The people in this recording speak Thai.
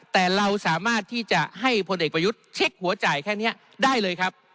แต่เราสามารถที่จะให้พลเอกประยุทธ์เช็คหัวจ่ายแค่นี้ได้เลยครับ